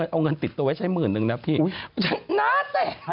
ตอนนี้ก็กลับไปซื้อบ้านแล้วก้ว่า